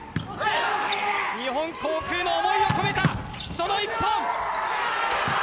日本航空の思いを込めたその１本。